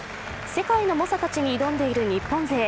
世界の猛者たちに挑んでいる日本勢。